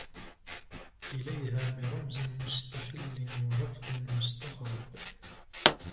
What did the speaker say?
إلَيْهَا بِرَمْزٍ مُسْتَحْلٍ وَلَفْظٍ مُسْتَغْرَبٍ